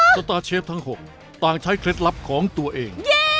สตาร์เชฟทั้ง๖ต่างใช้เคล็ดลับของตัวเอง